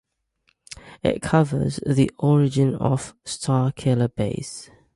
It covers the origin of Starkiller Base.